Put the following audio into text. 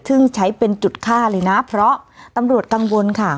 ซึ่งใช้เป็นจุดฆ่าเลยนะเพราะตำรวจกังวลค่ะ